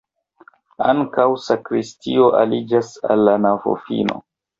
Ankaŭ sakristio aliĝas al la navofino.